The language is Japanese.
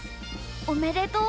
おめでとう！